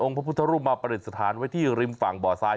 องค์พระพุทธรูปมาปริศฐานไว้ที่ริมฝั่งบ่อซ้าย